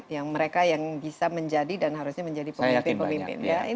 yang mereka yang bisa menjadi dan harusnya menjadi pemimpin pemimpin